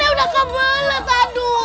kan udah ke belet aduh